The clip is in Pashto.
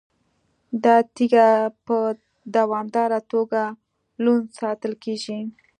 دا تیږه په دوامداره توګه لوند ساتل کیږي.